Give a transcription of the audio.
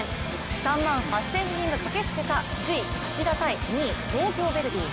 ３万８０００人が駆けつけた首位・町田対２位東京ヴェルディ。